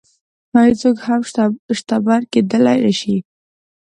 هېڅوک هم شتمن کېدلی نه شي.